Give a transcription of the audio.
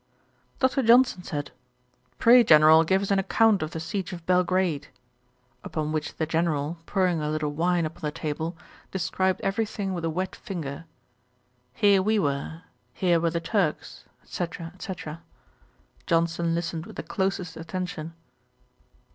Dr. Johnson said, 'Pray, General, give us an account of the siege of Belgrade.' Upon which the General, pouring a little wine upon the table, described every thing with a wet finger: 'Here we were, here were the Turks,' &c. &c. Johnson listened with the closest attention.